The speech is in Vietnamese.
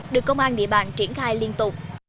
được công an địa bàn triển khai liên tục